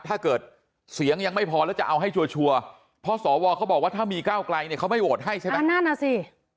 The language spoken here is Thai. ถ้าเกิดเสียงยังไม่พอแล้วจะเอาให้ชัวร์เพราะสวเขาบอกว่าถ้ามีก้าวไกลเนี่ยเขาไม่โหวตให้ใช่ไหมนั่นน่ะสิ